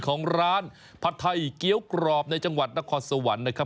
ของร้านผัดไทยเกี้ยวกรอบในจังหวัดนครสวรรค์นะครับ